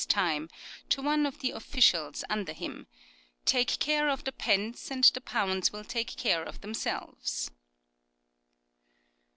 's time, to one of the officials under him :" Take care of the pence, and the pounds will take care of themselves."